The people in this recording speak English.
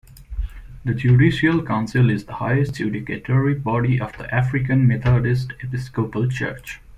The Judicial Council is the highest judicatory body of the African Methodist Episcopal Church.